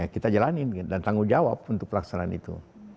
kita jalanin dan tanggung jawab untuk pelaksanaan itu